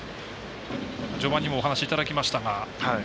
序盤にもお話をいただきましたが。